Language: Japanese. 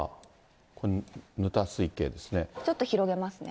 これ、ちょっと広げますね。